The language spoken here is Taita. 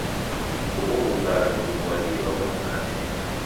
Ugho w'ungara ndoghuw'adie w'abonyi kazi w'ikate.